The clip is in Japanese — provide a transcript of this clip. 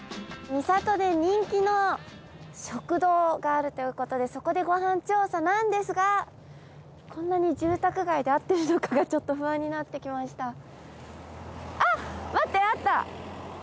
三郷で人気の食堂があるということでそこでご飯調査なんですがこんなに住宅街で合ってるのかがちょっと不安になってきました。